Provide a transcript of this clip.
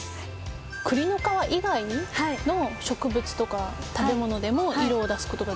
クリの皮以外の植物とか食べ物でも色を出すことができる？